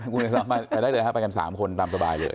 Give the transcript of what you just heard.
ก็ได้เลยครับไปกัน๓คนตามสบายเลย